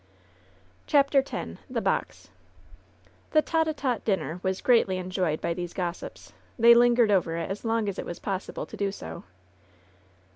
CHAPTER X THB BOX The tete a tete dinner was greatly enjoyed by these gossips. They lingered over it as long as it was possible to do so.